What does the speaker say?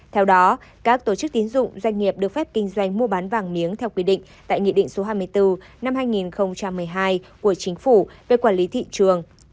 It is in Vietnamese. theo đó các tổ chức tín dụng doanh nghiệp được phép kinh doanh mua bán vàng miếng theo quy định tại nghị định số hai mươi bốn năm hai nghìn một mươi hai của chính phủ về quản lý thị trường